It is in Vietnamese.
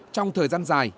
trong thời gian dài